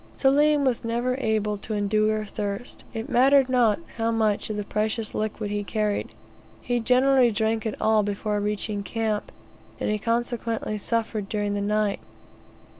Selim was never able to endure thirst. It mattered not how much of the precious liquid he carried, he generally drank it all before reaching camp, and he consequently suffered during the night.